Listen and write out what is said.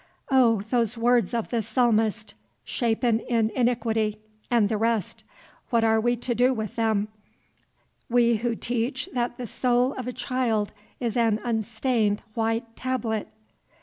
Oh, those words of the Psalmist, 'shapen in iniquity,' and the rest! What are we to do with them, we who teach that the soul of a child is an unstained white tablet?"